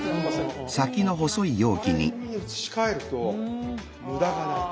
これに移し替えると無駄がない。